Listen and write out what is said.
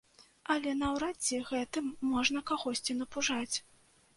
Але наўрад ці гэтым можна кагосьці напужаць.